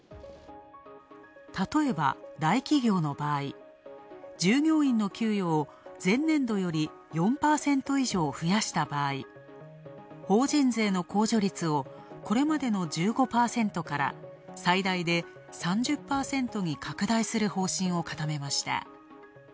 たとえば大企業の場合、従業員の給与を前年度より４％以上増やした場合、法人税の控除率をこれまでの１５％から最大で３０％に拡大する方針を固めました。